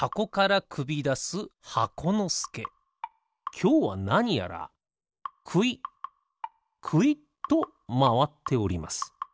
きょうはなにやらくいっくいっとまわっております。